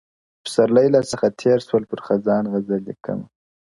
پسرلي راڅخه تېر سول- پر خزان غزل لیکمه-